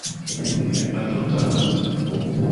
Nimepata utakaso